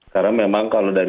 karena memang kalau dari